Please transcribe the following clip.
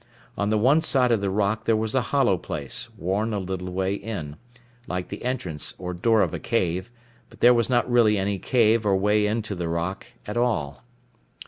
On the one side of the rock there was a hollow place, worn a little way in, like the entrance or door of a cave but there was not really any cave or way into the rock at all.